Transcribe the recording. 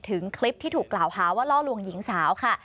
คลิปที่ถูกกล่าวหาว่าล่อลวงหญิงสาวค่ะ